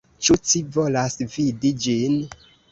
Ĉu ci volas vidi ĝin?